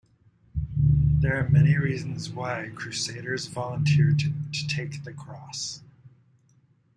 There are many reasons why crusaders volunteered to "take the cross".